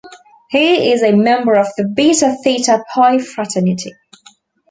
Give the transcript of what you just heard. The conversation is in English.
He is a member of the Beta Theta Pi Fraternity.